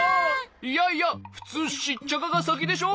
いやいやふつうシッチャカがさきでしょ？